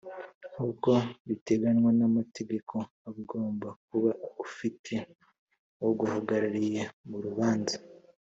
nkuko biteganywa na mategeko ugomba kuba ufite uguhagarariye mu rubanza